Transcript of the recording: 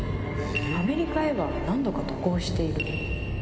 アメリカへは何度か渡航している